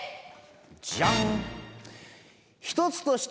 ジャン！